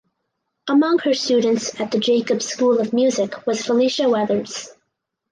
Among her students at the Jacobs School of Music was Felicia Weathers.